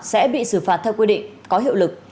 sẽ bị xử phạt theo quy định có hiệu lực